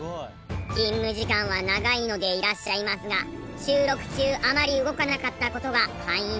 勤務時間は長いのでいらっしゃいますが収録中あまり動かなかった事が敗因のようですね。